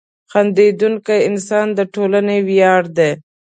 • خندېدونکی انسان د ټولنې ویاړ دی.